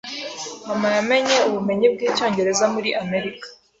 Mama yamenye ubumenyi bw'icyongereza muri Amerika.